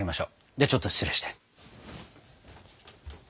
ではちょっと失礼して。